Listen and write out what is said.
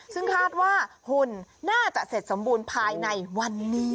ซึ่งคาดว่าหุ่นน่าจะเสร็จสมบูรณ์ภายในวันนี้